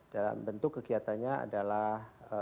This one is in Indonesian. dalam bentuk kegiatannya adalah